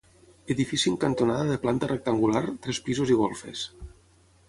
Edifici en cantonada de planta rectangular, tres pisos i golfes.